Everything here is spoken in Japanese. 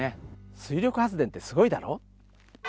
水力発電ってすごいだろう？